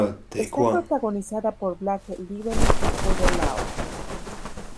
Está protagonizada por Blake Lively y Jude Law.